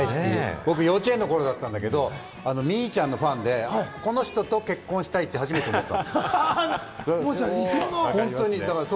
僕、幼稚園の頃だったんだけども、ミーちゃんのファンで、この人と結婚したいと初めて思ったもん。